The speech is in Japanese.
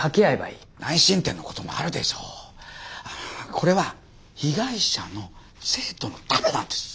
これは被害者の生徒のためなんです。